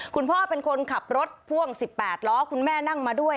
คุณพ่อเป็นคนขับรถพ่วง๑๘ล้อคุณแม่นั่งมาด้วย